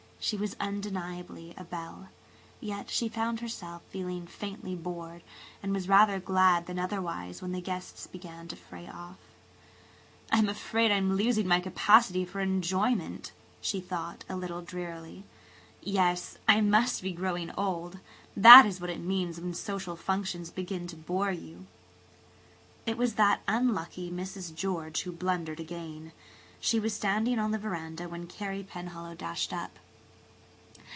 She was undeniably a belle, yet she found herself feeling faintly bored and was rather [Page 147] glad than otherwise when the guests began to fray off. "I'm afraid I'm losing my capacity for enjoyment," she thought, a little drearily. "Yes, I must be growing old. That is what it means when social functions begin to bore you." It was that unlucky Mrs. George who blundered again. She was standing on the veranda when Carey Penhallow dashed up.